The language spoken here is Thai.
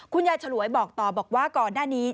ฉลวยบอกต่อบอกว่าก่อนหน้านี้